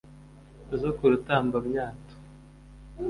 zo ku rutambamyato